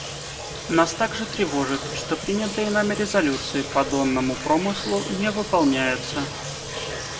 Нас также тревожит, что принятые нами резолюции по донному промыслу не выполняются.